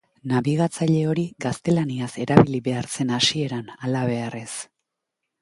Nabigatzaile hori gaztelaniaz erabili behar zen hasieran, halabeharrez.